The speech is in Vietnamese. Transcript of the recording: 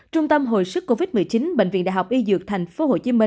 trung tâm hồi sức covid một mươi chín bệnh viện đại học y dược tp hcm